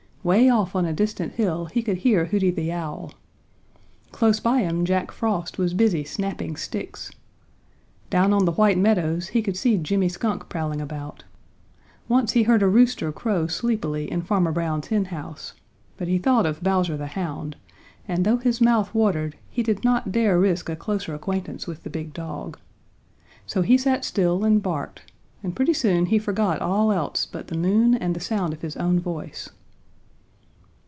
Way off on a distant hill he could hear Hooty the Owl. Close by him Jack Frost was busy snapping sticks. Down on the White Meadows he could see Jimmy Skunk prowling about. Once he heard a rooster crow sleepily in Farmer Brown's hen house, but he thought of Bowser the Hound, and though his mouth watered, he did not dare risk a closer acquaintance with the big dog. So he sat still and barked, and pretty soon he forgot all else but the moon and the sound of his own voice.